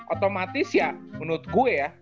otomatis ya menurut gue ya